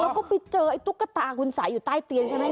แล้วก็ไปเจอไอ้ตุ๊กตาคุณสายอยู่ใต้เตียงใช่ไหม